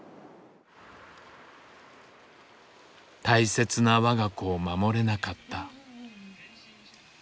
大切な我が子を守れなかった。